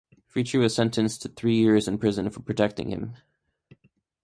Fitri was sentenced to three years in prison for protecting him.